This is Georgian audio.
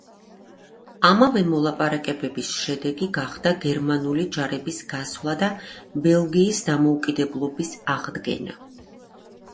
ამავე მოლაპარაკებების შედეგი გახდა გერმანული ჯარების გასვლა და ბელგიის დამოუკიდებლობის აღდგენა.